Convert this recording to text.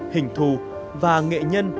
hình thù và nghệ nhân